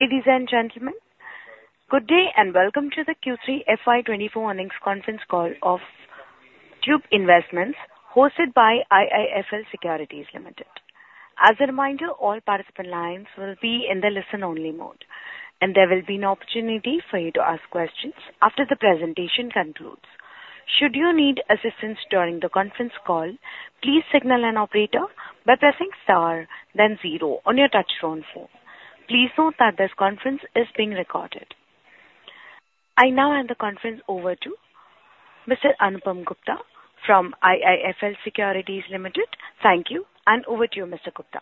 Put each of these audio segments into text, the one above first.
Ladies and gentlemen, good day, and welcome to the Q3 FY 2024 earnings conference call of Tube Investments, hosted by IIFL Securities Limited. As a reminder, all participant lines will be in the listen-only mode, and there will be an opportunity for you to ask questions after the presentation concludes. Should you need assistance during the conference call, please signal an operator by pressing star then zero on your touchtone phone. Please note that this conference is being recorded. I now hand the conference over to Mr. Anupam Gupta from IIFL Securities Limited. Thank you, and over to you, Mr. Gupta.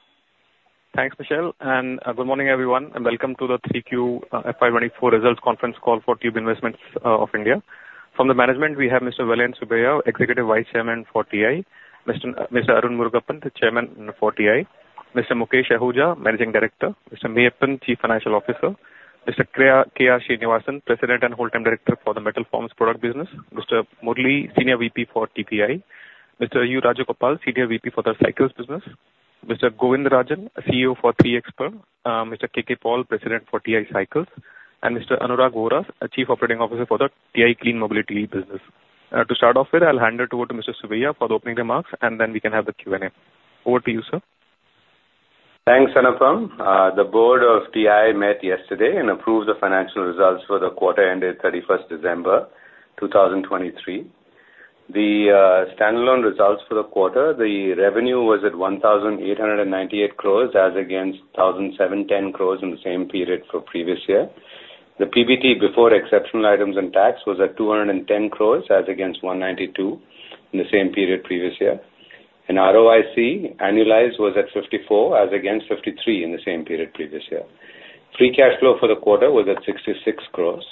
Thanks, Michelle, and good morning, everyone, and welcome to the 3Q FY 2024 results conference call for Tube Investments of India. From the management, we have Mr. Vellayan Subbiah, Executive Vice Chairman for TI; Mr. Arun Murugappan, the Chairman for TI; Mr. Mukesh Ahuja, Managing Director; Mr. Meyyappan Chief Financial Officer; Mr. K.R. Srinivasan, President and Whole Time Director for the Metal Forms product business; Mr. Murali, Senior VP for TPI; Mr. U. Rajagopal, Senior VP for the Cycles business; Mr. Govindarajan, CEO for 3xper; Mr. K.K. Paul, President for TI Cycles, and Mr. Anurag Vohra, Chief Operating Officer for the TI Clean Mobility business. To start off with, I'll hand it over to Mr. Subbiah for the opening remarks, and then we can have the Q&A. Over to you, sir. Thanks, Anupam. The board of TI met yesterday and approved the financial results for the quarter ended December 31, 2023. The standalone results for the quarter, the revenue was at 1,898 crores, as against 1,710 crores in the same period for previous year. The PBT, before exceptional items and tax, was at 210 crores, as against 192 crores in the same period previous year. And ROIC annualized was at 54, as against 53 in the same period previous year. Free cash flow for the quarter was at 66 crores.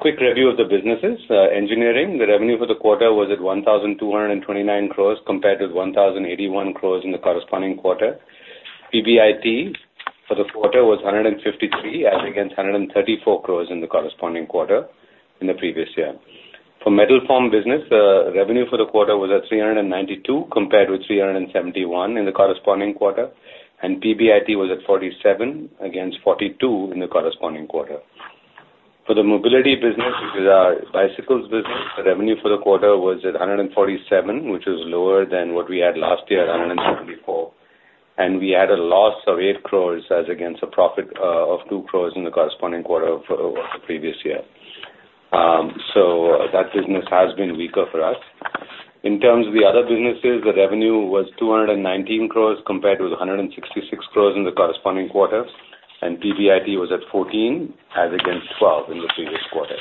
Quick review of the businesses. Engineering, the revenue for the quarter was at 1,229 crores compared with 1,081 crores in the corresponding quarter. PBIT for the quarter was 153 crore, as against 134 crore in the corresponding quarter in the previous year. For Metal Formed business, revenue for the quarter was at 392 crore, compared with 371 crore in the corresponding quarter, and PBIT was at 47 crore against 42 crore in the corresponding quarter. For the mobility business, which is our bicycles business, the revenue for the quarter was at 147 crore, which is lower than what we had last year, 144 crore. We had a loss of 8 crore as against a profit of 2 crore in the corresponding quarter for the previous year. So that business has been weaker for us. In terms of the other businesses, the revenue was 219 crores compared with 166 crores in the corresponding quarter, and PBIT was at 14 as against 12 in the previous quarter.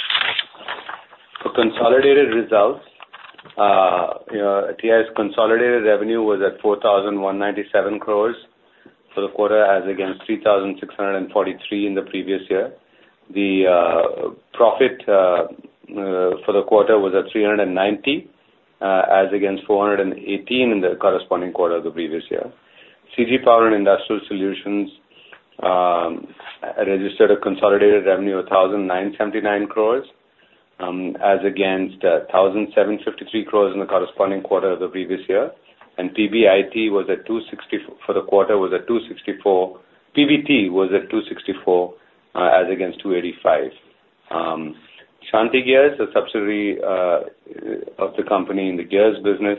For consolidated results, you know, TI's consolidated revenue was at 4,197 crores for the quarter, as against 3,643 crores in the previous year. The profit for the quarter was at 390, as against 418 in the corresponding quarter of the previous year. CG Power and Industrial Solutions registered a consolidated revenue of 1,079 crores, as against 1,753 crores in the corresponding quarter of the previous year. And PBIT was at 264 for the quarter. PBT was at 264 crore, as against 285 crore. Shanthi Gears, a subsidiary of the company in the gears business,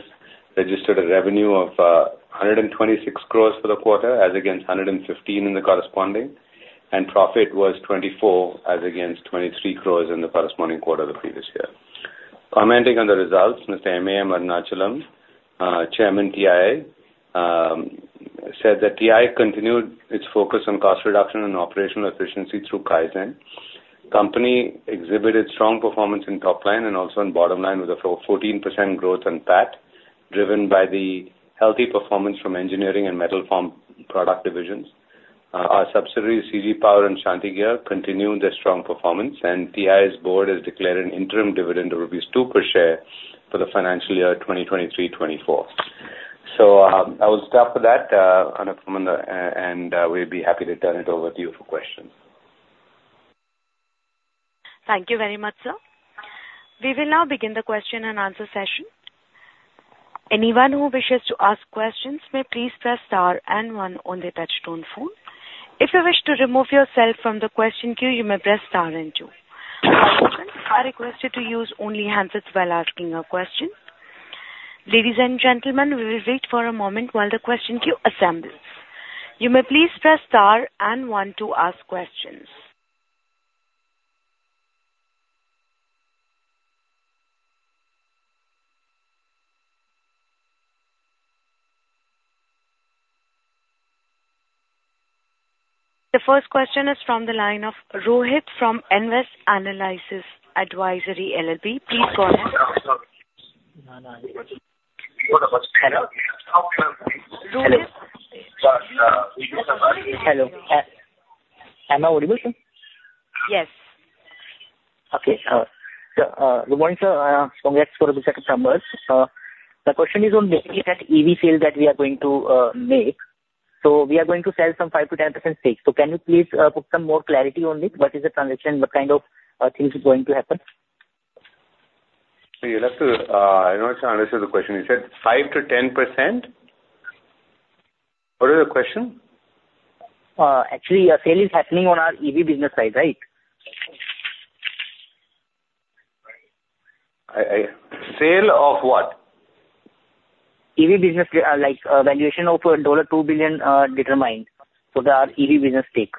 registered a revenue of 126 crore for the quarter, as against 115 crore in the corresponding, and profit was 24 crore, as against 23 crore in the corresponding quarter of the previous year. Commenting on the results, Mr. M.A.M. Arunachalam, Chairman, TI, said that TI continued its focus on cost reduction and operational efficiency through Kaizen. Company exhibited strong performance in top line and also in bottom line, with a 414% growth on PAT, driven by the healthy performance from engineering and Metal Formed product divisions. Our subsidiaries, CG Power and Shanthi Gears, continued their strong performance, and TI's board has declared an interim dividend of rupees 2 per share for the financial year 2023-24. I will stop with that, Anupam, and we'll be happy to turn it over to you for questions. Thank you very much, sir. We will now begin the question and answer session. Anyone who wishes to ask questions may please press star and one on their touchtone phone. If you wish to remove yourself from the question queue, you may press star and two. All participants are requested to use only handsets while asking a question. Ladies and gentlemen, we will wait for a moment while the question queue assembles. You may please press star and one to ask questions. The first question is from the line of Rohit from Nvest Analysis Advisory LLP. Please go ahead. Hello? Hello. Hello. Am I audible, sir? Yes. Okay, so, good morning, sir. Congrats for the set of numbers. My question is on maybe that EV sales that we are going to make. So we are going to sell some 5%-10% stake. So can you please put some more clarity on it? What is the transaction? What kind of things is going to happen? ... So you'll have to, I don't understand the question. You said 5%-10%? What is the question? Actually, a sale is happening on our EV business side, right? Sale of what? EV business, like, valuation of $2 billion determined for the EV business take.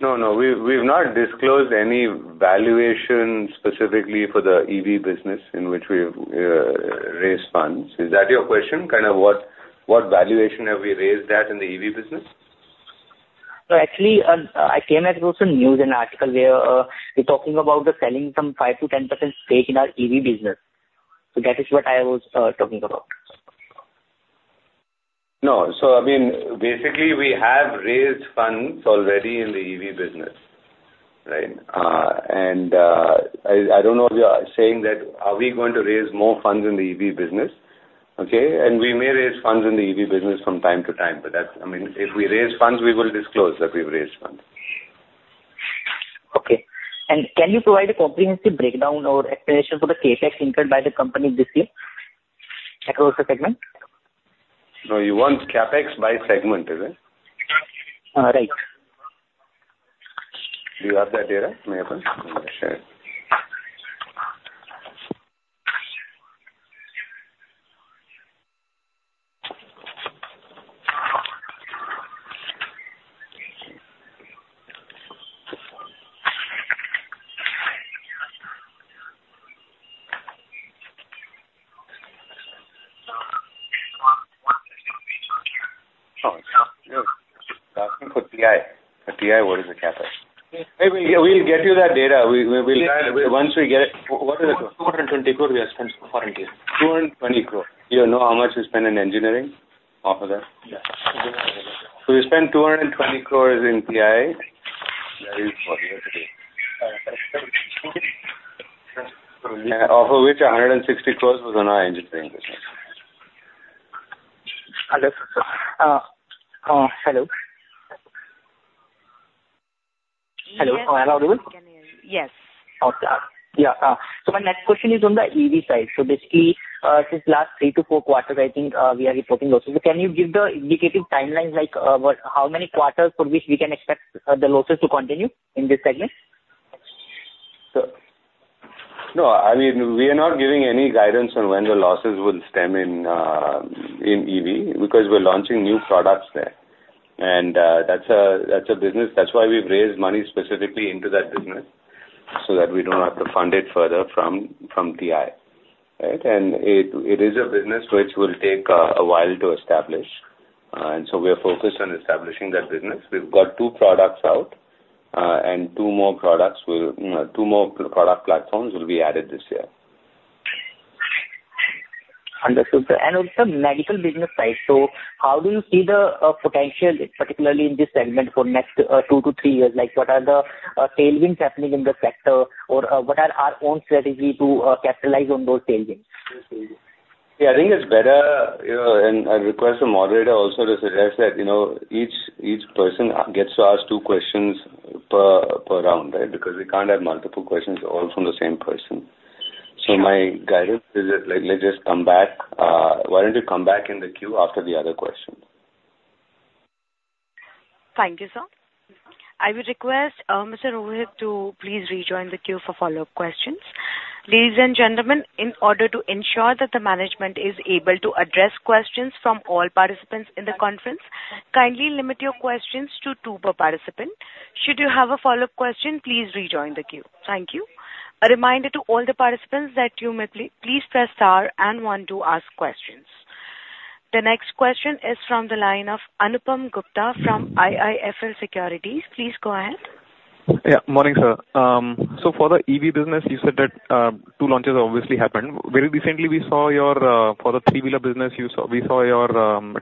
No, no, we've, we've not disclosed any valuation specifically for the EV business in which we've raised funds. Is that your question? Kind of what, what valuation have we raised at in the EV business? Actually, I came across a news article where you're talking about the selling some 5%-10% stake in our EV business. That is what I was talking about. No. So I mean, basically, we have raised funds already in the EV business, right? I don't know if you are saying that are we going to raise more funds in the EV business, okay? And we may raise funds in the EV business from time to time, but that's-- I mean, if we raise funds, we will disclose that we've raised funds. Okay. Can you provide a comprehensive breakdown or explanation for the CapEx incurred by the company this year across the segment? So you want CapEx by segment, is it? Uh, right. Do you have that data, Meyyappan? Sure. Oh, yeah. Asking for TI. For TI, what is the CapEx? Hey, we'll get you that data. We'll once we get it... What is it? 220 crore we have spent for it. 220 crore. Do you know how much we spent in engineering off of that? Yeah. We spent 220 crore in TI. That is for you to do. Out of which 160 crore was on our engineering business. Hello? Hello, am I audible? Yes. Okay. Yeah, so my next question is on the EV side. So basically, since last 3-4 quarters, I think, we are reporting losses. So can you give the indicative timelines, like, what, how many quarters for which we can expect, the losses to continue in this segment? No, I mean, we are not giving any guidance on when the losses will stem in EV, because we're launching new products there. And that's a business, that's why we've raised money specifically into that business, so that we don't have to fund it further from TI. Right? And it is a business which will take a while to establish, and so we are focused on establishing that business. We've got two products out, and two more product platforms will be added this year. Understood, sir. Also medical business side. How do you see the potential, particularly in this segment for next two to three years? Like, what are the tailwinds happening in the sector, or what are our own strategy to capitalize on those tailwinds? Yeah, I think it's better, you know, and I request the moderator also to suggest that, you know, each person gets to ask two questions per round, right? Because we can't have multiple questions all from the same person. So my guidance is that, let's just come back, why don't you come back in the queue after the other questions? Thank you, sir. I would request, Mr. Rohit, to please rejoin the queue for follow-up questions. Ladies and gentlemen, in order to ensure that the management is able to address questions from all participants in the conference, kindly limit your questions to two per participant. Should you have a follow-up question, please rejoin the queue. Thank you. A reminder to all the participants that you may please press Star and One to ask questions. The next question is from the line of Anupam Gupta from IIFL Securities. Please go ahead. Yeah. Morning, sir. So for the EV business, you said that, two launches obviously happened. Very recently, we saw your, for the three-wheeler business, we saw your,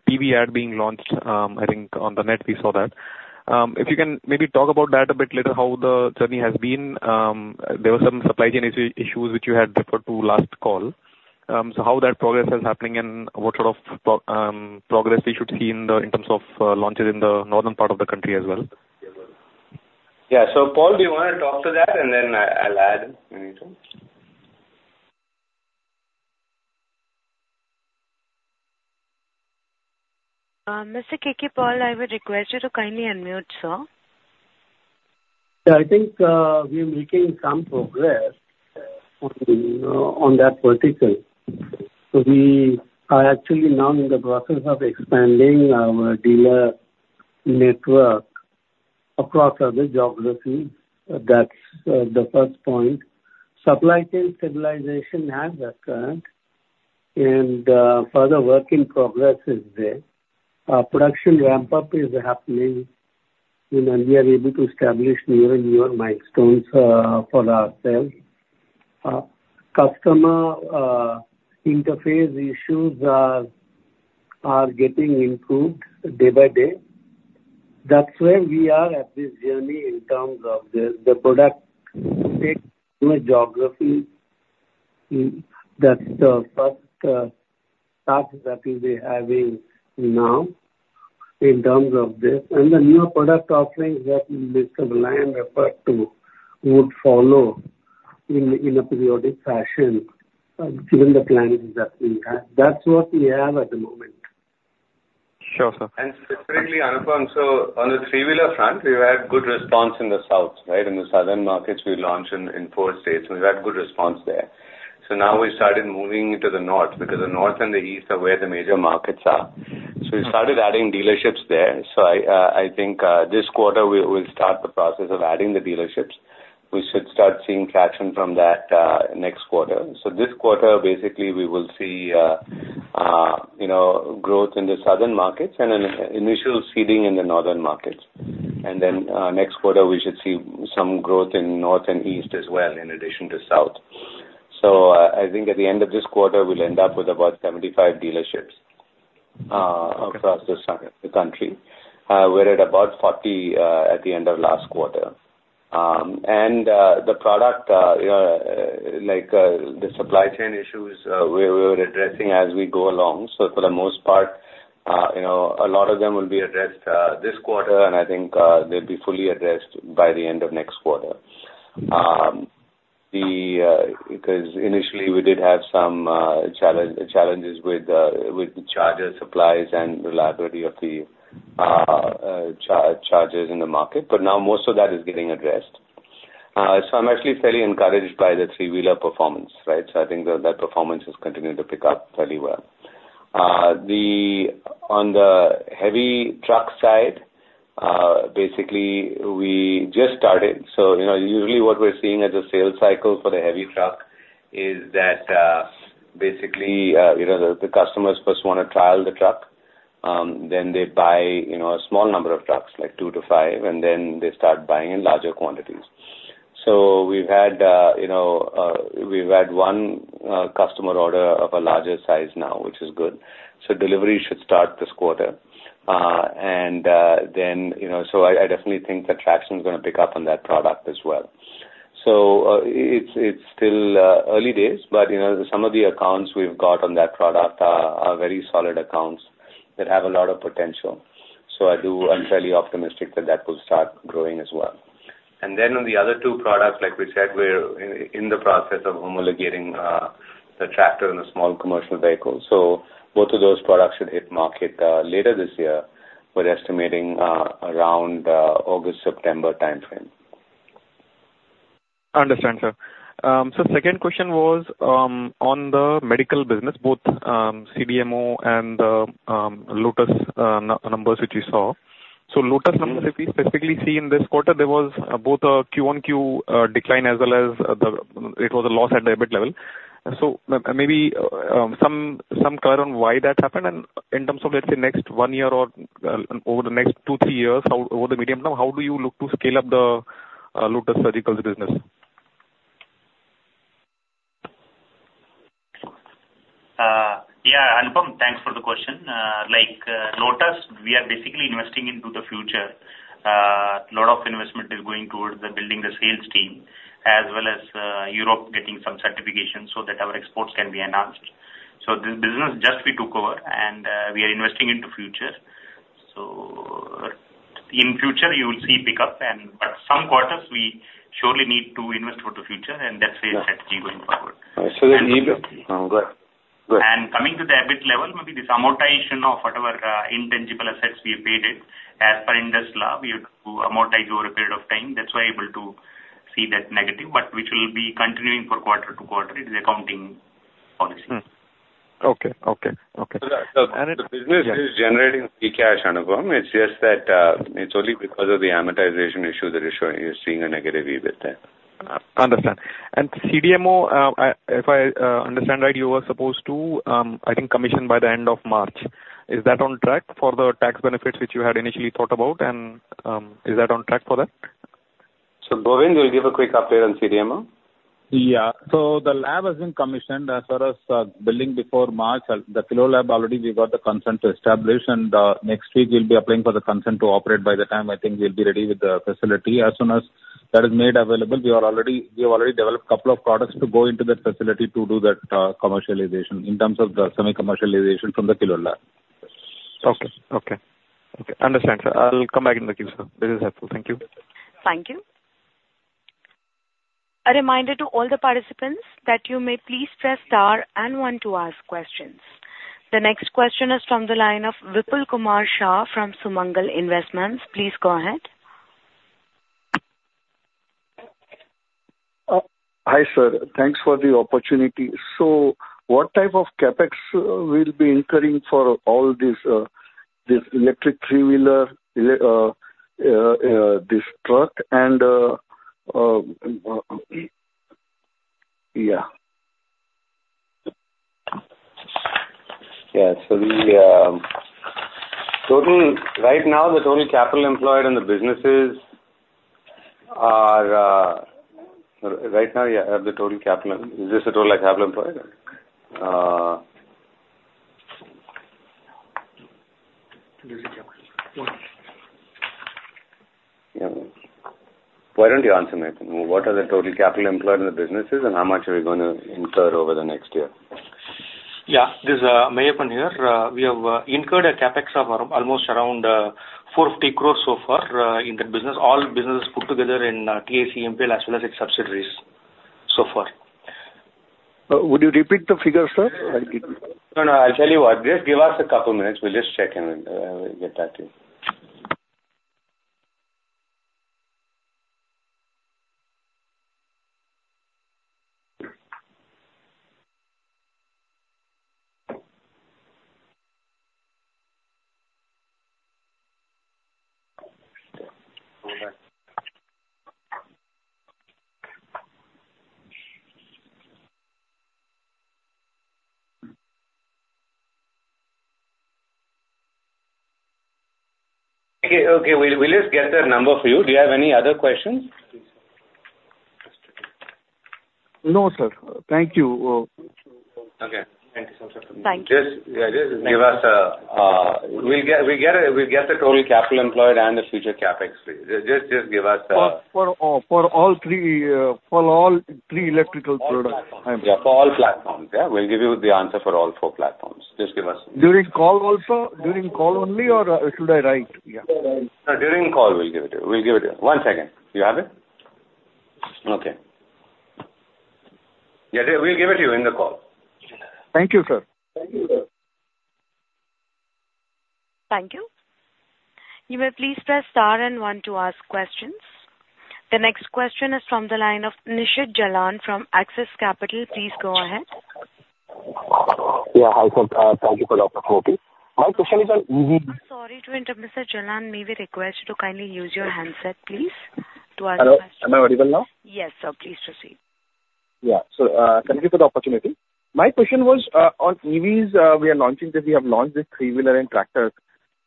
TV ad being launched, I think on the net we saw that. If you can maybe talk about that a bit later, how the journey has been. There were some supply chain issues which you had referred to last call. So how that progress is happening and what sort of progress we should see in the, in terms of, launches in the northern part of the country as well? Yeah. So, Paul, do you want to talk to that and then I, I'll add anything? Mr. K.K. Paul, I would request you to kindly unmute, sir. Yeah, I think, we're making some progress on, on that particular. So we are actually now in the process of expanding our dealer network across other geographies. That's the first point. Supply chain stabilization has occurred, and further work in progress is there. Production ramp-up is happening, and we are able to establish newer and newer milestones for ourselves. Customer interface issues are getting improved day by day. That's where we are at this journey in terms of the product fit in the geography. That's the first start that we were having now in terms of this, and the new product offerings that Mr. Vellayan referred to would follow in a periodic fashion, given the plans that we have. That's what we have at the moment. Sure, sir. Specifically, Anupam, on the three-wheeler front, we've had good response in the south, right? In the southern markets, we launched in four states, and we've had good response there. So now we've started moving to the north, because the north and the east are where the major markets are. So we started adding dealerships there. So I think this quarter we'll start the process of adding the dealerships. We should start seeing traction from that next quarter. So this quarter, basically, we will see you know, growth in the southern markets and an initial seeding in the northern markets. And then next quarter, we should see some growth in north and east as well, in addition to south. So I think at the end of this quarter, we'll end up with about 75 dealerships across the country. We're at about 40 at the end of last quarter. And the product, you know, like, the supply chain issues, we're addressing as we go along. So for the most part, you know, a lot of them will be addressed this quarter, and I think they'll be fully addressed by the end of next quarter. Because initially we did have some challenges with the charger supplies and reliability of the chargers in the market, but now most of that is getting addressed. So I'm actually fairly encouraged by the three-wheeler performance, right? So I think that performance is continuing to pick up fairly well. On the heavy truck side, basically, we just started. So, you know, usually what we're seeing as a sales cycle for the heavy truck is that, basically, you know, the customers first want to trial the truck. Then they buy, you know, a small number of trucks, like 2-5, and then they start buying in larger quantities. So we've had, you know, one customer order of a larger size now, which is good. So delivery should start this quarter. And then, you know, so I definitely think the traction is gonna pick up on that product as well. So, it's still early days, but, you know, some of the accounts we've got on that product are very solid accounts that have a lot of potential. So I do... I'm fairly optimistic that that will start growing as well. And then on the other two products, like we said, we're in the process of homologating the tractor and the small commercial vehicle. So both of those products should hit market later this year. We're estimating around August, September timeframe. Understand, sir. So second question was on the medical business, both CDMO and the Lotus Surgicals numbers which we saw. So Lotus Surgicals numbers, if we specifically see in this quarter, there was both a Q-on-Q decline, as well as the, it was a loss at the EBIT level. So maybe some color on why that happened, and in terms of, let's say, next one year or over the next two, three years, how over the medium term, how do you look to scale up the Lotus Surgicals business? Yeah, Anupam, thanks for the question. Like, Lotus, we are basically investing into the future. Lot of investment is going towards the building the sales team, as well as, Europe getting some certifications so that our exports can be enhanced. So this business just we took over, and, we are investing into future. So in future, you will see pickup and, but some quarters we surely need to invest for the future, and that's the strategy going forward. So that need it. Go ahead. Go ahead. Coming to the EBIT level, maybe this amortization of whatever intangible assets we paid it, as per Ind AS, we have to amortize over a period of time. That's why you are able to see that negative, but which will be continuing for quarter to quarter. It is accounting policy. Hmm. Okay, okay, okay. The business is generating free cash, Anupam. It's just that it's only because of the amortization issue that you're showing, you're seeing a negative EBIT there. Understand. And CDMO, if I understand right, you were supposed to, I think, commission by the end of March. Is that on track for the tax benefits which you had initially thought about? And, is that on track for that? Govind, will you give a quick update on CDMO? Yeah. So the lab has been commissioned as far as building before March. The kilo lab, already we got the consent to establish, and next week, we'll be applying for the consent to operate. By the time I think we'll be ready with the facility. As soon as that is made available, we have already developed a couple of products to go into that facility to do that commercialization in terms of the semi-commercialization from the kilo lab. Okay, okay. Okay, understand, sir. I'll come back in the queue, sir. This is helpful. Thank you. Thank you. A reminder to all the participants that you may please press Star and One to ask questions. The next question is from the line of Vipul Kumar Shah from Sumangal Investments. Please go ahead. Hi, sir. Thanks for the opportunity. So what type of CapEx we'll be incurring for all this, this electric three-wheeler, this truck and... Yeah. Yeah. So the, total... Right now, the total capital employed in the businesses are, right now, yeah, the total capital, is this the total, like, capital employed? Why don't you answer, Meyyappan? What are the total capital employed in the businesses, and how much are you going to incur over the next year? Yeah, this is Meyyappan here. We have incurred a CapEx of around almost around 450 crore so far in that business. All businesses put together in TICMPL as well as its subsidiaries so far. Would you repeat the figure, sir? No, no, I'll tell you what, just give us a couple of minutes. We'll just check and we'll get back to you. Okay, okay, we'll, we'll just get that number for you. Do you have any other questions? No, sir. Thank you. Okay, thank you so much. Thank you. Just, yeah, just give us... We'll get it, we'll get the total capital employed and the future CapEx. Just, just give us... For all three electrical products. Yeah, for all platforms. Yeah, we'll give you the answer for all 4 platforms. Just give us- During call also, during call only, or should I write? Yeah. During call, we'll give it to you. We'll give it to you. One second. Do you have it? Okay. Yeah, we'll give it to you in the call. Thank you, sir. Thank you. You may please press Star and One to ask questions. The next question is from the line of Nishit Jalan from Axis Capital. Please go ahead. Yeah, hi, sir, thank you for the opportunity. My question is on EV- I'm sorry to interrupt, Mr. Jalan. May we request you to kindly use your handset, please, to ask the question? Hello, am I audible now? Yes, sir. Please proceed. Yeah. So, thank you for the opportunity. My question was on EVs. We have launched this three-wheeler and tractors,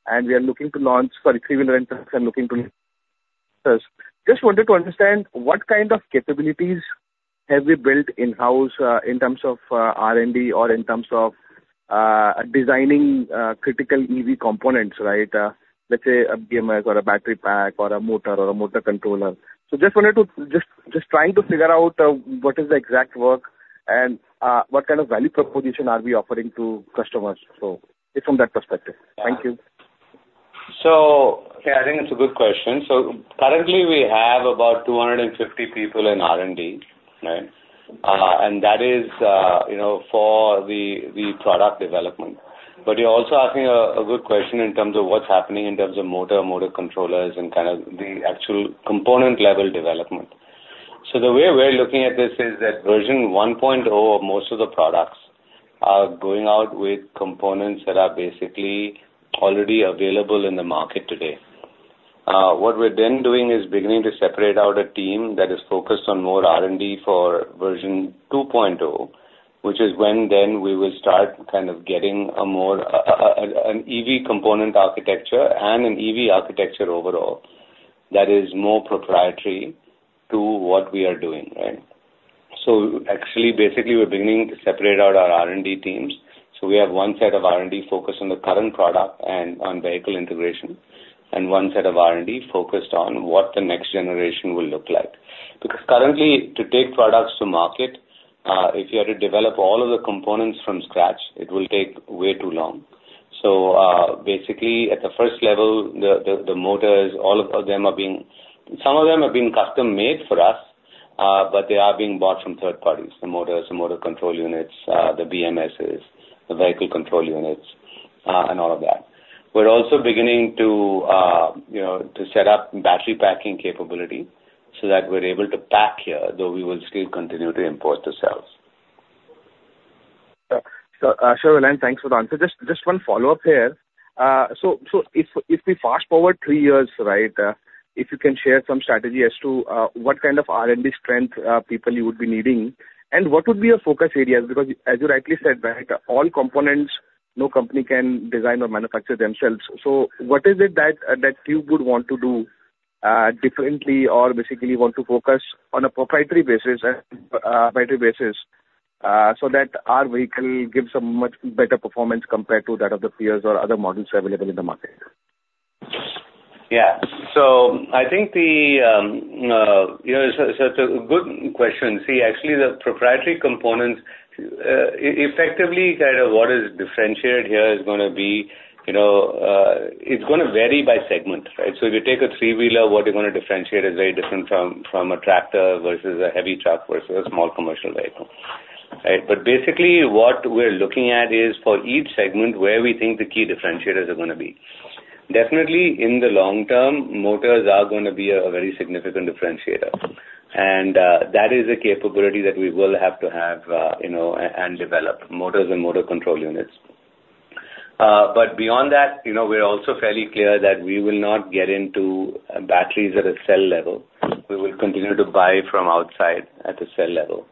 and we are looking to launch. Sorry, three-wheeler and tractors and looking to. Just wanted to understand what kind of capabilities have we built in-house in terms of R&D or in terms of designing critical EV components, right? Let's say a BMS or a battery pack or a motor or a motor controller. So just wanted to figure out what is the exact work and what kind of value proposition are we offering to customers. So it's from that perspective. Thank you. Yeah, I think it's a good question. So currently, we have about 250 people in R&D, right? And that is, you know, for the product development. But you're also asking a good question in terms of what's happening in terms of motor controllers, and kind of the actual component level development. So the way we're looking at this is that version 1.0 of most of the products are going out with components that are basically already available in the market today. What we're then doing is beginning to separate out a team that is focused on more R&D for version 2.0, which is when then we will start kind of getting a more, an EV component architecture and an EV architecture overall that is more proprietary to what we are doing, right? So actually, basically, we're beginning to separate out our R&D teams. So we have one set of R&D focused on the current product and on vehicle integration, and one set of R&D focused on what the next generation will look like. Because currently, to take products to market, if you had to develop all of the components from scratch, it will take way too long. So, basically, at the first level, the motors. Some of them are being custom-made for us, but they are being bought from third parties, the motors, the motor control units, the BMSs, the vehicle control units, and all of that. We're also beginning to, you know, to set up battery packing capability so that we're able to pack here, though we will still continue to import the cells. Sir, sure, and thanks for the answer. Just one follow-up here. So if we fast-forward three years, right? If you can share some strategy as to what kind of R&D strength people you would be needing, and what would be your focus areas? Because as you rightly said, right, all components, no company can design or manufacture themselves. So what is it that you would want to do differently or basically want to focus on a proprietary basis and battery basis, so that our vehicle gives a much better performance compared to that of the peers or other models available in the market? Yeah. So I think the, you know, so it's a good question. See, actually, the proprietary components, effectively, kind of what is differentiated here is gonna be, you know, it's gonna vary by segment, right? So if you take a three-wheeler, what you're gonna differentiate is very different from a tractor versus a heavy truck versus a small commercial vehicle, right? But basically, what we're looking at is for each segment, where we think the key differentiators are gonna be. Definitely, in the long term, motors are gonna be a very significant differentiator, and that is a capability that we will have to have, you know, and develop, motors and motor control units. But beyond that, you know, we're also fairly clear that we will not get into batteries at a cell level. We will continue to buy from outside at a cell level.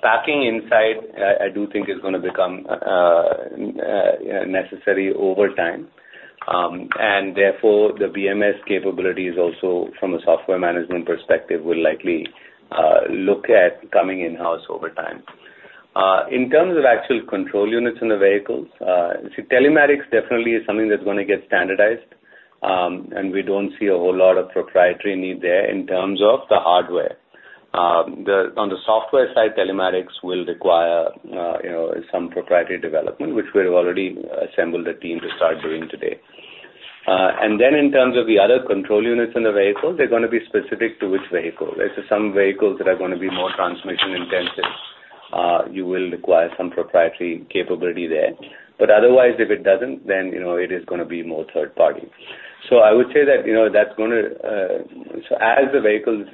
Packing inside, I do think is gonna become necessary over time, and therefore, the BMS capabilities also from a software management perspective, will likely look at coming in-house over time. In terms of actual control units in the vehicles, telematics definitely is something that's gonna get standardized, and we don't see a whole lot of proprietary need there in terms of the hardware. On the software side, telematics will require, you know, some proprietary development, which we've already assembled a team to start doing today. And then in terms of the other control units in the vehicle, they're gonna be specific to which vehicle. There's some vehicles that are gonna be more transmission intensive. You will require some proprietary capability there, but otherwise, if it doesn't, then, you know, it is gonna be more third party. So I would say that, you know, that's gonna, so as the vehicles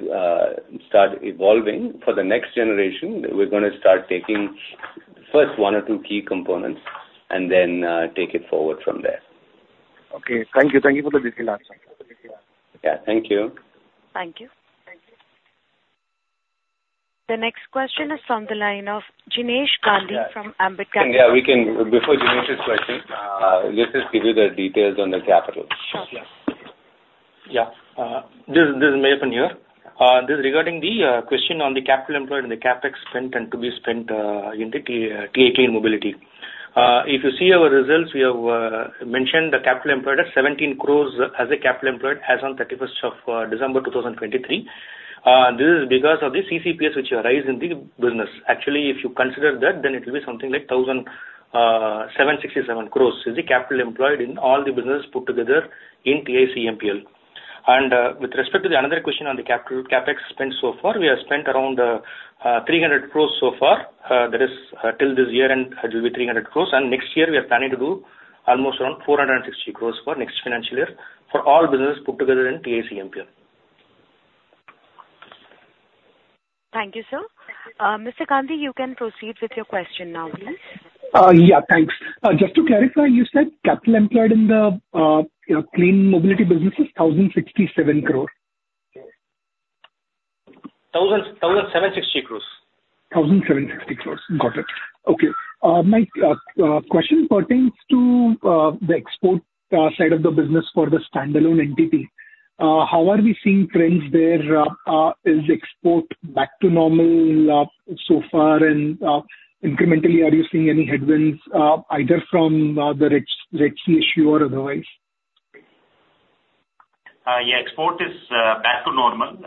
start evolving for the next generation, we're gonna start taking first one or two key components and then take it forward from there. Okay, thank you. Thank you for the detailed answer. Yeah, thank you. Thank you. The next question is from the line of Jinesh Gandhi from Ambit Capital. Yeah, we can. Before Jinesh's question, let us give you the details on the capital. Okay. Yeah. This, this is Meyyappan here. This is regarding the question on the capital employed and the CapEx spent and to be spent in the TI Clean Mobility. If you see our results, we have mentioned the capital employed at 17 crores as a capital employed as on 31 December 2023. This is because of the CCPS which arise in the business. Actually, if you consider that, then it will be something like 1,767 crores, is the capital employed in all the business put together in TICMPL. And with respect to another question on the capital CapEx spent so far, we have spent around 300 crores so far. That is till this year, and it will be 300 crores. Next year, we are planning to do almost around 460 crore for next financial year for all business put together in TICMPL. Thank you, sir. Mr. Gandhi, you can proceed with your question now, please. Yeah, thanks. Just to clarify, you said capital employed in the, you know, Clean Mobility business is 1,067 crore? 1,760 crores. 1,760 crores. Got it. Okay. My question pertains to the export side of the business for the standalone entity. How are we seeing trends there? Is the export back to normal so far? And, incrementally, are you seeing any headwinds either from the Red Sea issue or otherwise? Yeah, export is back to normal.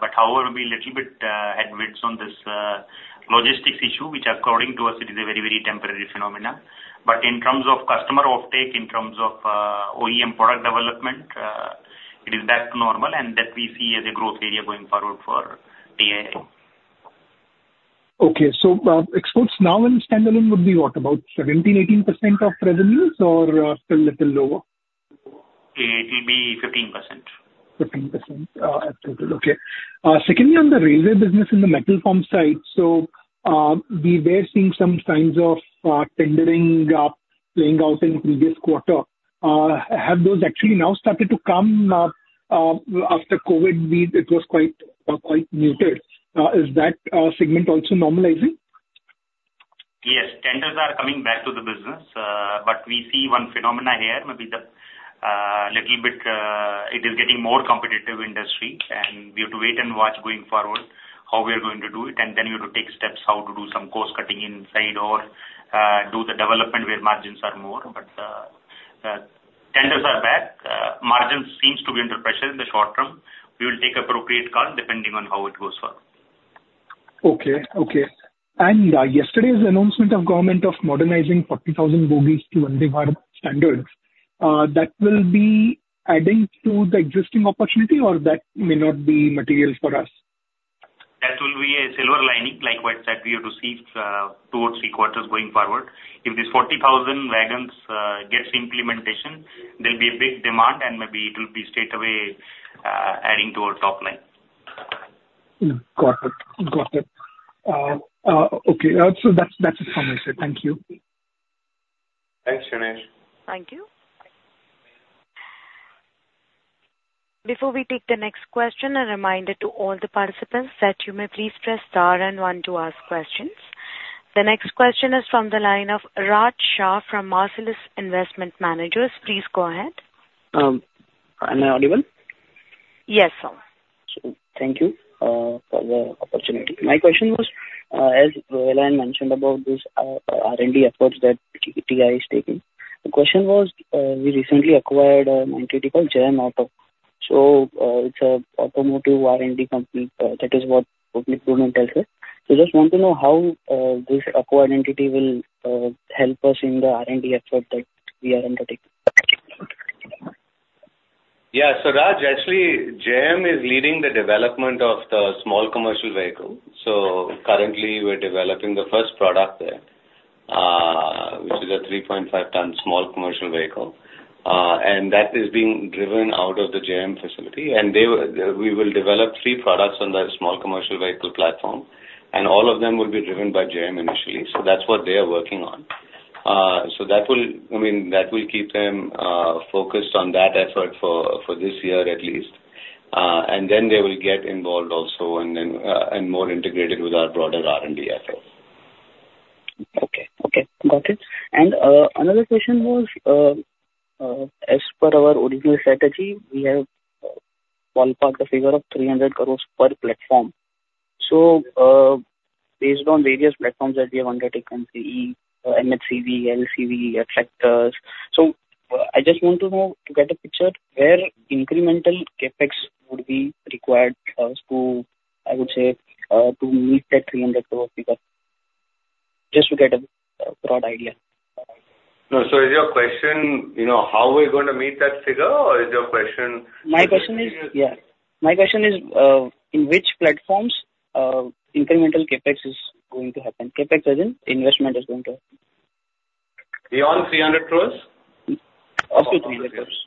But however, we little bit headwinds on this logistics issue, which according to us, it is a very, very temporary phenomena. But in terms of customer offtake, in terms of OEM product development, it is back to normal, and that we see as a growth area going forward for TI. Okay, so, exports now in standalone would be what, about 17%-18% of revenues or still a little lower? It will be 15%. 15%, absolutely, okay. Secondly, on the railway business in the Metal Formed side, so, we were seeing some signs of tendering playing out in previous quarter. Have those actually now started to come after COVID? It was quite muted. Is that segment also normalizing? Yes, tenders are coming back to the business, but we see one phenomenon here, maybe the little bit, it is getting more competitive industry, and we have to wait and watch going forward, how we are going to do it, and then we have to take steps how to do some cost cutting inside or, do the development where margins are more. But, tenders are back. Margins seems to be under pressure in the short term. We will take appropriate call depending on how it goes well. Okay, okay. Yesterday's announcement of the government modernizing 40,000 bogies to Vande Bharat standards, that will be adding to the existing opportunity, or that may not be material for us? That will be a silver lining, likewise, that we have to see, two or three quarters going forward. If this 40,000 wagons gets implementation, there'll be a big demand, and maybe it will be straightaway, adding to our top line. Got it. Got it. Okay, so that's, that's it from my side. Thank you. Thanks, Jinesh. Thank you. Before we take the next question, a reminder to all the participants that you may please press star and one to ask questions. The next question is from the line of Raj Shah from Marcellus Investment Managers. Please go ahead. Am I audible? Yes, sir. So thank you for the opportunity. My question was, as Rohilan mentioned about this, R&D approach that TI is taking, the question was, we recently acquired an entity called Jayem Auto. So, it's a automotive R&D company, that is what public domain tells us. So just want to know how, this acquired entity will help us in the R&D effort that we are undertaking? Yeah, so Raj, actually, Jayem is leading the development of the small commercial vehicle. So currently, we're developing the first product there, which is a 3.5-ton small commercial vehicle. And that is being driven out of the Jayem facility, and they will, we will develop three products on that small commercial vehicle platform, and all of them will be driven by Jayem initially. So that's what they are working on. So that will... I mean, that will keep them focused on that effort for, for this year at least. And then they will get involved also and then, and more integrated with our broader R&D efforts.... Okay, got it. And, another question was, as per our original strategy, we have ballparked the figure of 300 crores per platform. So, based on various platforms that we have undertaken, CE, MHCV, LCV, tractors. So I just want to know, to get a picture, where incremental CapEx would be required us to, I would say, to meet that 300 crore figure, just to get a broad idea. No. So is your question, you know, how we're going to meet that figure, or is your question- My question is, yeah. My question is, in which platforms, incremental CapEx is going to happen? CapEx as in investment is going to happen. Beyond 300 crore? Of the 300 crores.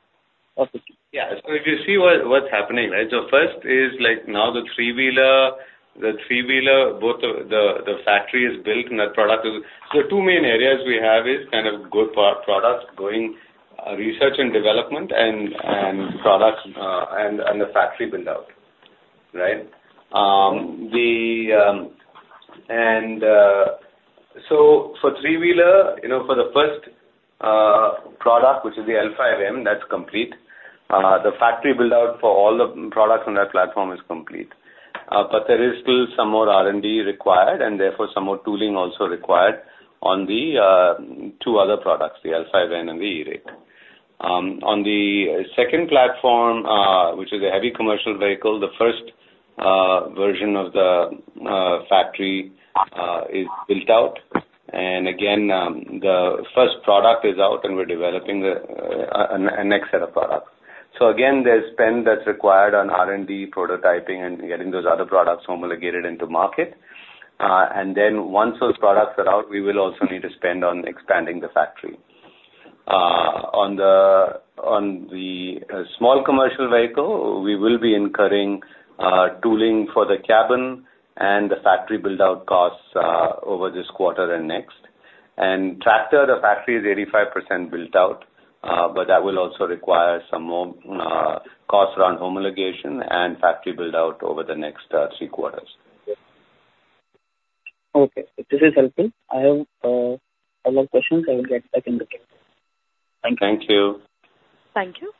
Yeah. So if you see what, what's happening, right? So first is like now the three-wheeler, the three-wheeler, both of the, the factory is built and that product is... The two main areas we have is kind of good for our products, growing, research and development and, and products, and, and the factory build out, right? And, so for three-wheeler, you know, for the first, product, which is the L5M, that's complete. The factory build out for all the products on that platform is complete. But there is still some more R&D required, and therefore, some more tooling also required on the, two other products, the L5N and the eRick. On the second platform, which is a heavy commercial vehicle, the first, version of the, factory, is built out. Again, the first product is out, and we're developing a next set of products. So again, there's spend that's required on R&D prototyping and getting those other products homologated into market. And then once those products are out, we will also need to spend on expanding the factory. On the small commercial vehicle, we will be incurring tooling for the cabin and the factory build out costs over this quarter and next. And tractor, the factory is 85% built out, but that will also require some more costs around homologation and factory build out over the next three quarters. Okay. This is helpful. I have a lot of questions I will get back in the queue. Thank you. Thank you.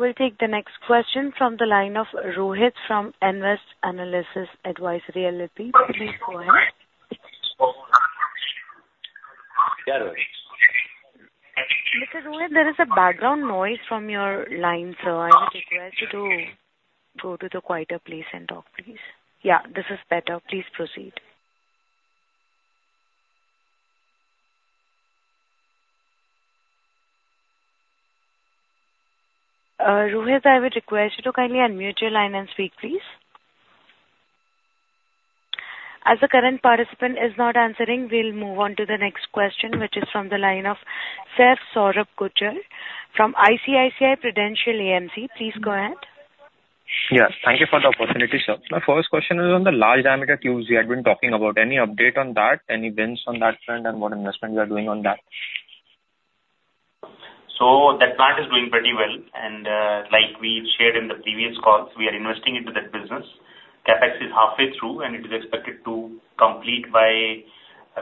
We'll take the next question from the line of Rohit from Nvest Analysis Advisory LLP. Please go ahead. Mr. Rohit, there is a background noise from your line, sir. I would request you to go to the quieter place and talk, please. Yeah, this is better. Please proceed. Rohit, I would request you to kindly unmute your line and speak, please. As the current participant is not answering, we'll move on to the next question, which is from the line of [Saif Saurabh Kuchal] from ICICI Prudential AMC. Please go ahead. Yeah, thank you for the opportunity, sir. My first question is on the large diameter tubes you had been talking about. Any update on that? Any wins on that front, and what investment you are doing on that? That plant is doing pretty well, and, like we've shared in the previous calls, we are investing into that business. CapEx is halfway through, and it is expected to complete by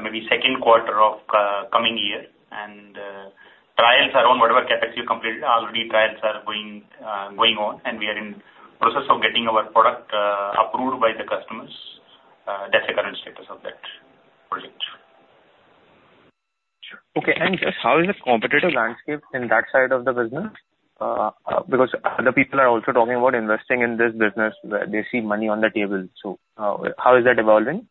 maybe second quarter of, coming year. Trials are on whatever CapEx we completed, already trials are going, going on, and we are in process of getting our product, approved by the customers. That's the current status of that project. Sure. Okay, and just how is the competitive landscape in that side of the business? Because other people are also talking about investing in this business, where they see money on the table. So, how is that evolving?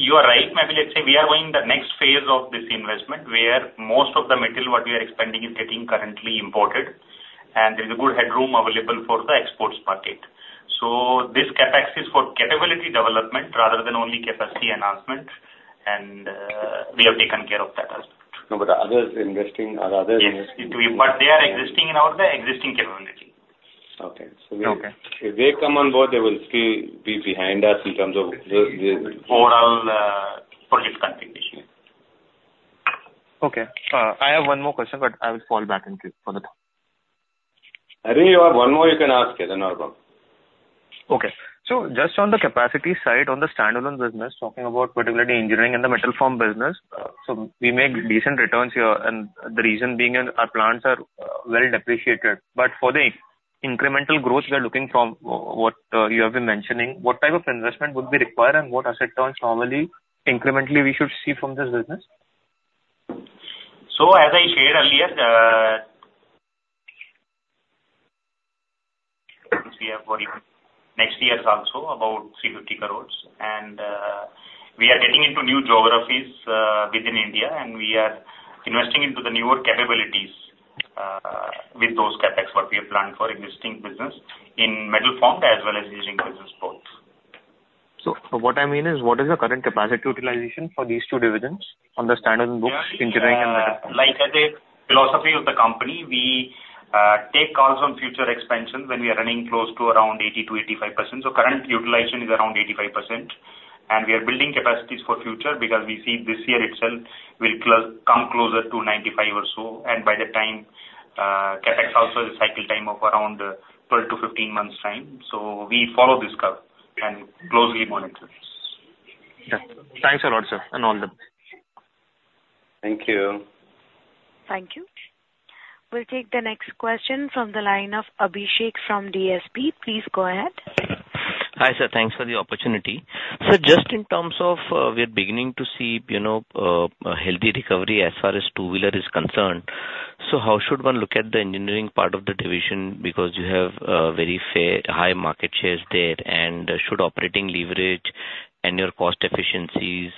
You are right. Maybe, let's say we are going the next phase of this investment, where most of the material, what we are expending, is getting currently imported, and there's a good headroom available for the exports market. So this CapEx is for capability development rather than only capacity enhancement, and we have taken care of that as well. No, but the others investing are others investing. Yes, but they are existing in all the existing capability. Okay. Okay. So if they come on board, they will still be behind us in terms of the Overall, project configuration. Okay. I have one more question, but I will fall back in queue for the time. I think you have one more you can ask, then no problem. Okay. So just on the capacity side, on the standalone business, talking about particularly engineering and the Metal Formed business, so we make decent returns here, and the reason being is our plants are, well depreciated. But for the incremental growth we are looking from what, you have been mentioning, what type of investment would be required and what asset turns normally, incrementally we should see from this business? As I shared earlier, we have for next year also about 350 crores. We are getting into new geographies within India, and we are investing into the newer capabilities with those CapEx what we have planned for existing business in Metal Formed as well as engineering business both. What I mean is, what is the current capacity utilization for these two divisions on the standard books, engineering and metal? Like the philosophy of the company, we take calls on future expansion when we are running close to around 80%-85%. So current utilization is around 85%, and we are building capacities for future because we see this year itself will come closer to 95% or so. And by that time, CapEx also the cycle time of around 12-15 months time. So we follow this curve and closely monitor it. Yeah. Thanks a lot, sir, and all the best. Thank you. Thank you. We'll take the next question from the line of Abhishek from DSP. Please go ahead. Hi, sir. Thanks for the opportunity. So just in terms of, we are beginning to see, you know, a healthy recovery as far as two-wheeler is concerned. So how should one look at the engineering part of the division? Because you have very high market shares there, and should operating leverage and your cost efficiencies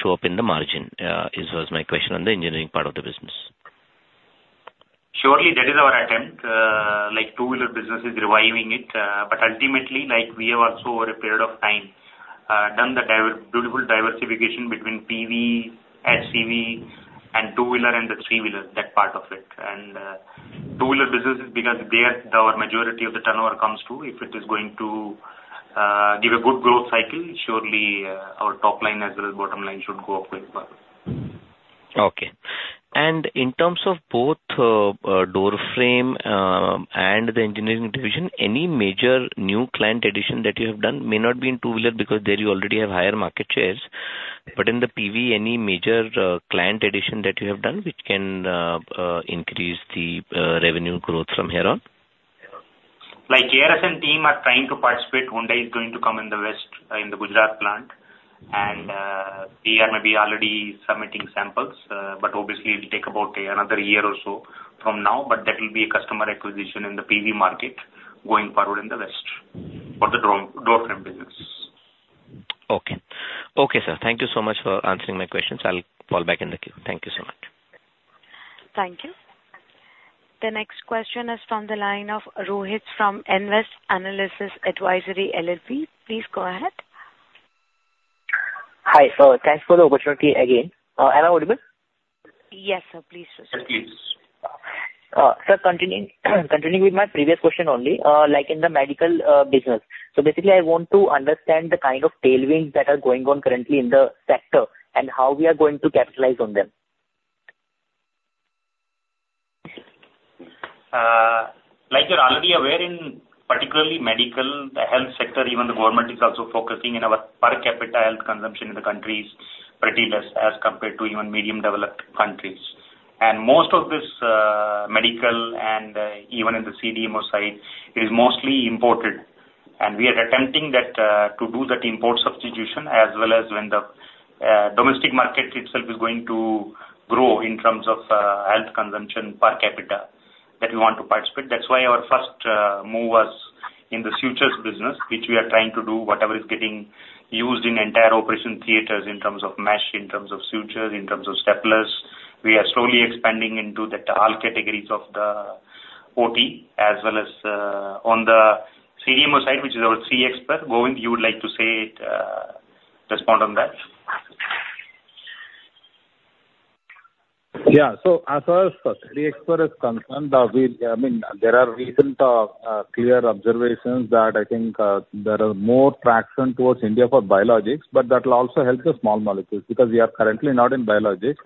show up in the margin, is was my question on the engineering part of the business. Surely, that is our attempt. Like, two-wheeler business is reviving it, but ultimately, like, we have also, over a period of time, done the beautiful diversification between PV, SCV, and two-wheeler, and the three-wheeler, that part of it. And, two-wheeler business is because there, our majority of the turnover comes to. If it is going to give a good growth cycle, surely, our top line as well as bottom line should go up very far. Okay. And in terms of both, door frame, and the engineering division, any major new client addition that you have done may not be in two-wheeler, because there you already have higher market shares. But in the PV, any major client addition that you have done, which can increase the revenue growth from here on? Like, KRS and team are trying to participate. Hyundai is going to come in the west, in the Gujarat plant, and, we are maybe already submitting samples, but obviously it'll take about another year or so from now, but that will be a customer acquisition in the PV market going forward in the west for the door, door frame business. Okay. Okay, sir. Thank you so much for answering my questions. I'll fall back in the queue. Thank you so much. Thank you. The next question is from the line of Rohit from Nvest Analysis Advisory LLP. Please go ahead. Hi. Thanks for the opportunity again. Am I audible? Yes, sir. Please proceed. Yes. Continuing with my previous question only, like in the medical business. So basically, I want to understand the kind of tailwinds that are going on currently in the sector, and how we are going to capitalize on them. Like you're already aware, in particularly medical, the health sector, even the government is also focusing in our per capita health consumption in the country is pretty less as compared to even medium developed countries. And most of this medical and even in the CDMO side, it is mostly imported. And we are attempting that to do that import substitution, as well as when the domestic market itself is going to grow in terms of health consumption per capita, that we want to participate. That's why our first move was in the sutures business, which we are trying to do whatever is getting used in entire operation theaters, in terms of mesh, in terms of sutures, in terms of staplers. We are slowly expanding into all categories of the OT as well as on the CDMO side, which is our 3xper. Govind, you would like to say it, respond on that? Yeah. So as far as CDMO expertise is concerned, we, I mean, there are recent, clear observations that I think, there are more traction towards India for biologics, but that will also help the small molecules, because we are currently not in biologics.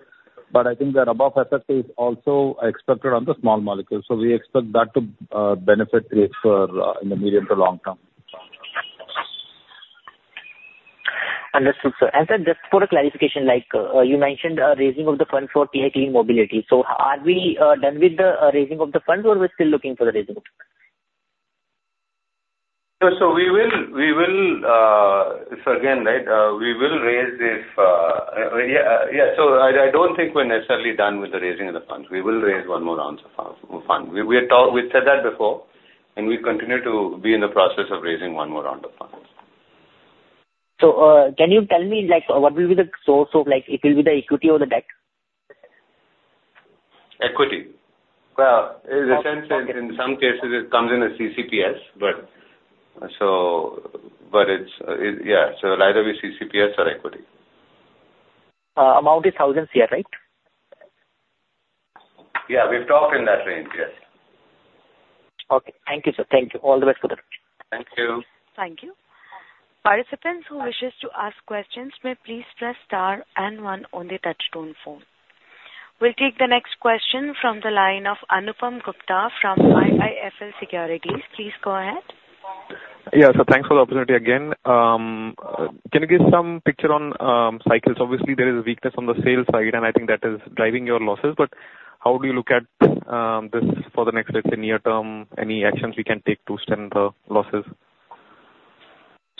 But I think that above effect is also expected on the small molecules, so we expect that to, benefit create for, in the medium to long term. Understood, sir. Sir, just for a clarification, like, you mentioned raising of the fund for TI Clean Mobility. So are we done with the raising of the funds, or we're still looking for the raising of the funds? So we will raise. So again, right, we will raise if. Yeah, yeah, so I don't think we're necessarily done with the raising of the funds. We will raise one more round of fund. We had talked—we've said that before, and we continue to be in the process of raising one more round of funds. Can you tell me, like, what will be the source of, like, it will be the equity or the debt? Equity. In a sense, in some cases it comes in as CCPS, but, so, but it's, yeah, so it'll either be CCPS or equity. Amount is thousands here, right? Yeah. We've talked in that range. Yes. Okay. Thank you, sir. Thank you. All the best for that. Thank you. Thank you. Participants who wish to ask questions may please press star and one on the touch-tone phone. We'll take the next question from the line of Anupam Gupta from IIFL Securities. Please go ahead. Yeah. So thanks for the opportunity again. Can you give some picture on cycles? Obviously, there is a weakness on the sales side, and I think that is driving your losses, but how do you look at this for the next, let's say, near term, any actions we can take to stem the losses?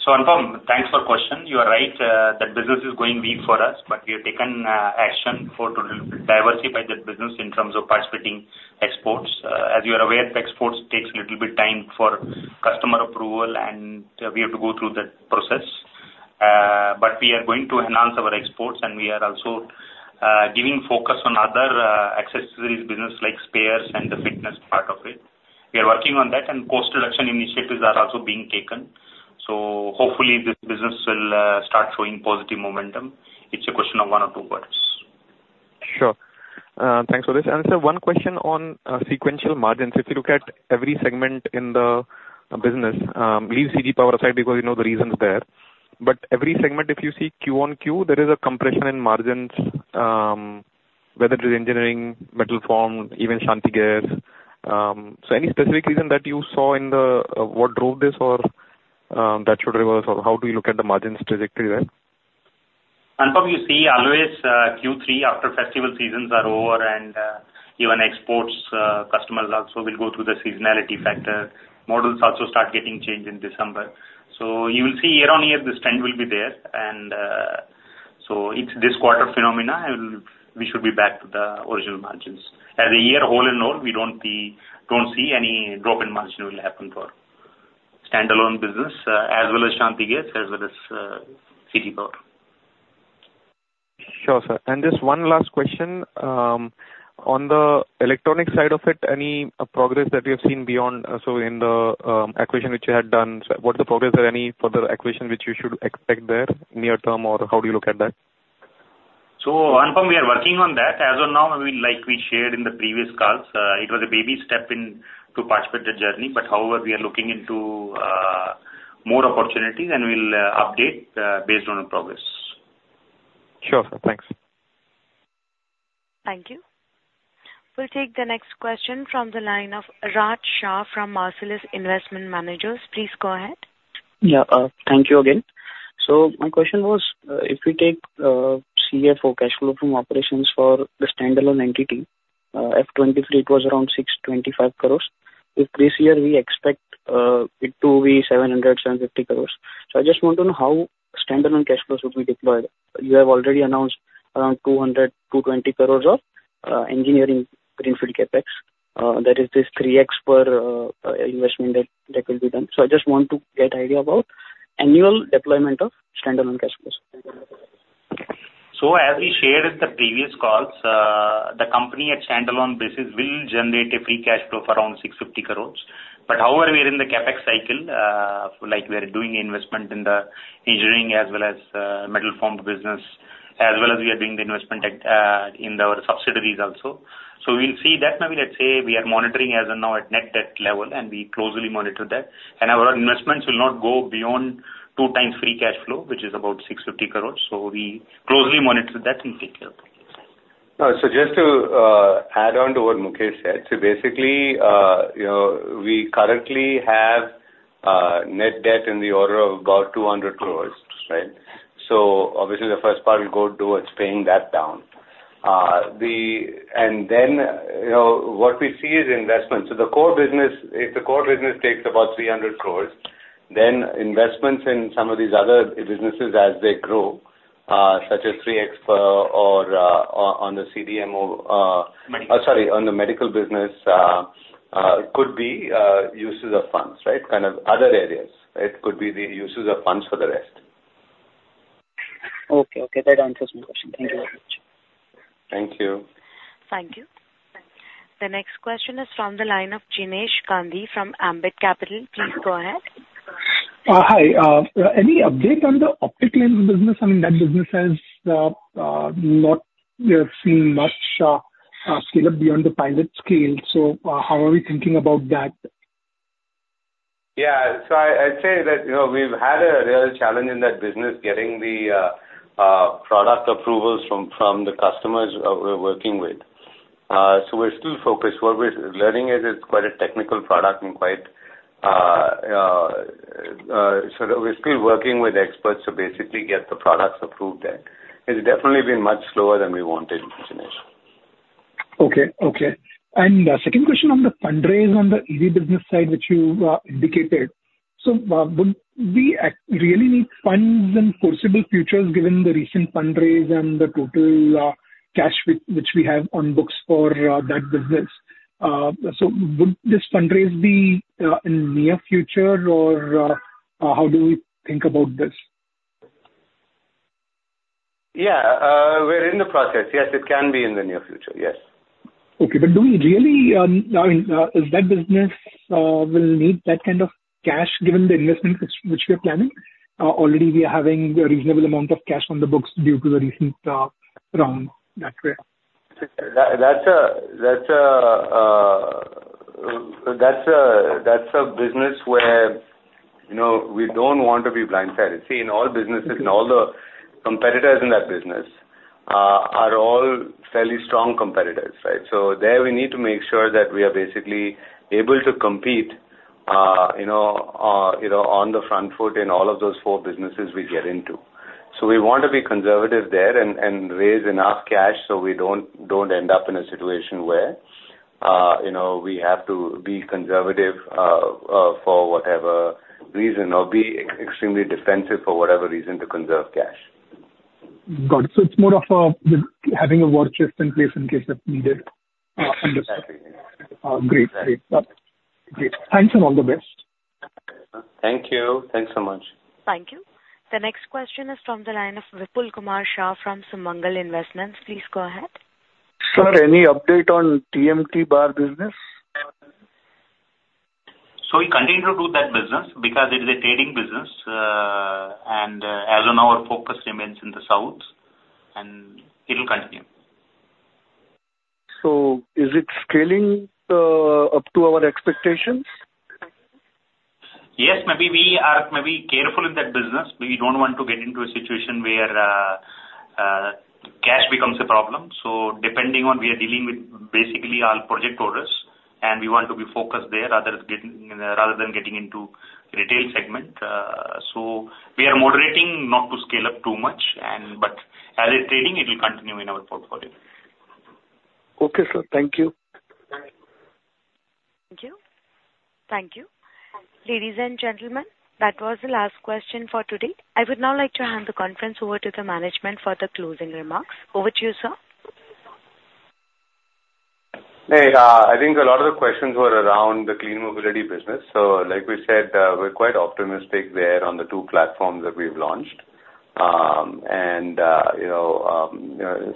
So Anupam, thanks for question. You are right, that business is going weak for us, but we have taken action for to diversify that business in terms of participating exports. As you are aware, exports takes little bit time for customer approval, and we have to go through that process. But we are going to enhance our exports, and we are also giving focus on other accessories business like spares and the fitness part of it. We are working on that, and cost reduction initiatives are also being taken. So hopefully this business will start showing positive momentum. It's a question of one or two quarters. Sure. Thanks for this. And sir, one question on sequential margins. If you look at every segment in the business, leave CG Power aside, because you know the reasons there. But every segment, if you see Q on Q, there is a compression in margins, whether it is engineering, Metal Formed, even Shanthi Gears. So any specific reason that you saw in the, what drove this or, that should reverse, or how do you look at the margins trajectory there? Anupam, you see always, Q3 after festival seasons are over, and even exports, customers also will go through the seasonality factor. Models also start getting changed in December. So you will see year-on-year, this trend will be there. And so it's this quarter phenomena, and we should be back to the original margins. As a year, whole and all, we don't see, don't see any drop in margin will happen for standalone business, as well as Shanthi Gears, as well as, CG Power. Sure, sir. Just one last question. On the electronic side of it, any progress that you've seen beyond, so in the acquisition which you had done, so what's the progress or any further acquisition which you should expect there near term, or how do you look at that? Anupam, we are working on that. As of now, maybe like we shared in the previous calls, it was a baby step in to participate the journey. But however, we are looking into more opportunities, and we'll update based on the progress. Sure, sir. Thanks. Thank you. We'll take the next question from the line of Raj Shah from Marcellus Investment Managers. Please go ahead. Yeah, thank you again. So my question was, if we take CFO cash flow from operations for the standalone entity, FY 2023, it was around 625 crores. So this year, we expect it to be 770 crores. So I just want to know how standalone cash flows will be deployed. You have already announced around 200 crores-220 crores of engineering greenfield CapEx. That is this 3xper investment that will be done. So I just want to get idea about annual deployment of standalone cash flows. As we shared in the previous calls, the company at standalone basis will generate a free cash flow of around 650 crores. But however, we are in the CapEx cycle, like we are doing investment in the engineering as well as, Metal Formed business, as well as we are doing the investment at, in our subsidiaries also. So we'll see that, maybe let's say, we are monitoring as of now at net debt level, and we closely monitor that. And our investments will not go beyond two times free cash flow, which is about 650 crores. So we closely monitor that and take care of that. So just to add on to what Meyyappan said, so basically, you know, we currently have net debt in the order of about 200 crores, right? So obviously, the first part will go towards paying that down. Then, you know, what we see is investment. So the core business, if the core business takes about 300 crores, then investments in some of these other businesses as they grow, such as 3xper or, on, on the CDMO, Medical. Sorry, on the medical business, could be uses of funds, right? Kind of other areas. It could be the uses of funds for the rest. Okay. Okay, that answers my question. Thank you very much. Thank you. Thank you. The next question is from the line of Jinesh Gandhi from Ambit Capital. Please go ahead. Hi. Any update on the optic lens business? I mean, that business has not. We have seen much scale up beyond the pilot scale. So, how are we thinking about that? Yeah. So I'd say that, you know, we've had a real challenge in that business, getting the product approvals from the customers we're working with. So we're still focused. What we're learning is, it's quite a technical product and quite, so we're still working with experts to basically get the products approved there. It's definitely been much slower than we wanted, Jinesh. Okay. Okay. And second question on the fundraise on the EV business side, which you indicated. So, would we really need funds for CapEx in future, given the recent fundraise and the total cash which we have on books for that business? So would this fundraise be in near future, or how do we think about this? Yeah, we're in the process. Yes, it can be in the near future. Yes. Okay. But do we really, I mean, is that business will need that kind of cash, given the investment which, which we are planning? Already we are having a reasonable amount of cash on the books due to the recent round that way. That's a business where, you know, we don't want to be blindsided. See, in all businesses and all the competitors in that business are all fairly strong competitors, right? So there, we need to make sure that we are basically able to compete, you know, you know, on the front foot in all of those four businesses we get into. So we want to be conservative there and raise enough cash, so we don't end up in a situation where, you know, we have to be conservative, for whatever reason or be extremely defensive for whatever reason to conserve cash. Got it. So it's more of, having a war chest in place in case that's needed. Uh, exactly. Great. Great. Great. Thanks, and all the best. Thank you. Thanks so much. Thank you. The next question is from the line of Vipul Kumar Shah from Sumangal Investments. Please go ahead. Sir, any update on TMT Bar business? So we continue to do that business because it is a trading business, and as of now our focus remains in the south, and it will continue. So, is it scaling up to our expectations? Yes, maybe we are maybe careful in that business. We don't want to get into a situation where cash becomes a problem. So depending on we are dealing with basically all project orders, and we want to be focused there rather than getting into retail segment. So we are moderating not to scale up too much, and but as a trading, it will continue in our portfolio. Okay, sir. Thank you. Thank you. Thank you. Ladies and gentlemen, that was the last question for today. I would now like to hand the conference over to the management for the closing remarks. Over to you, sir. Hey, I think a lot of the questions were around the Clean Mobility business. So like we said, we're quite optimistic there on the two platforms that we've launched. And you know,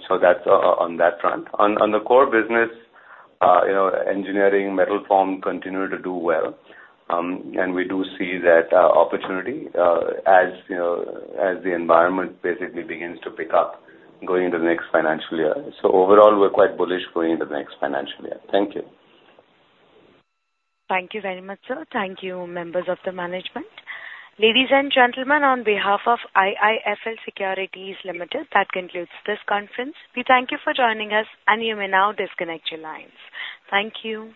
so that's on that front. On the core business, you know, engineering, Metal Formed continue to do well, and we do see that opportunity as you know, as the environment basically begins to pick up going into the next financial year. So overall, we're quite bullish going into the next financial year. Thank you. Thank you very much, sir. Thank you, members of the management. Ladies and gentlemen, on behalf of IIFL Securities Limited, that concludes this conference. We thank you for joining us, and you may now disconnect your lines. Thank you.